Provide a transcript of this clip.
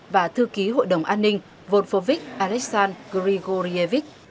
và ban thư ký hội đồng an ninh volfovic aleksandr grigorievic